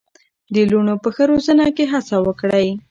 د لوڼو په ښه روزنه کې هڅه وکړئ.